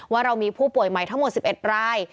ว่าเรามีผู้ป่วยใหม่ทั้งหมด๑๑ราย